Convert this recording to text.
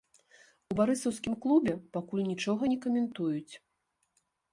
У барысаўскім клубе пакуль нічога не каментуюць.